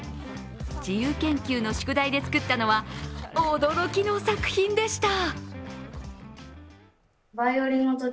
自由研究の宿題で作ったのは驚きの作品でした。